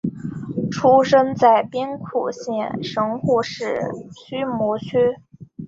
出生在兵库县神户市须磨区。